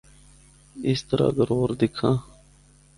اس طرح اگر ہور دِکھّاں۔